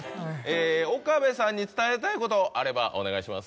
岡部さんに伝えたいことあればお願いします。